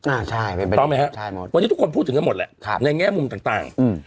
อ่าใช่ต้องไหมฮะวันนี้ทุกคนพูดถึงกันหมดแหละในแง่มุมต่าง